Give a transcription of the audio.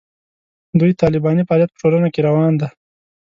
دوی طالباني فعالیت په ټولنه کې روان دی.